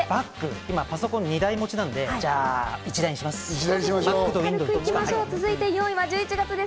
今パソコン２台持ちなんで１台にします。